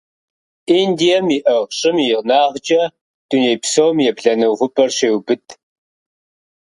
Индием иӀыгъ щӀым и инагъкӀэ дуней псом ебланэ увыпӀэр щеубыд.